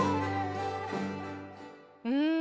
うん。